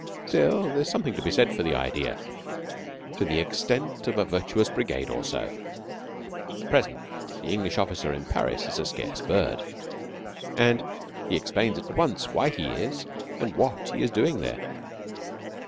Still, there is something to be said for the idea to the extent of a virtuous brigade or so. At present, the English officer in Paris is a scarce bird, and he explains at once why he is and what he is doing there.